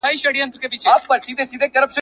دا پېژند د مخکني پېژند سره کوم توپېر نلري.